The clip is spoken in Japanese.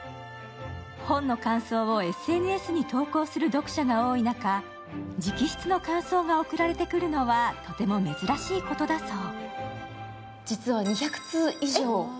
本の感想をＳＮＳに投稿する読者が多い中、直筆の感想が送られてくるのはとても珍しいことだそう。